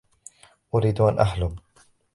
أريد أن أحلم.